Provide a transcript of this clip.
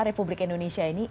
republik indonesia ini